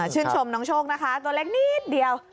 ชื่นชมน้องโชคนะคะตัวเล็กนิดเดียว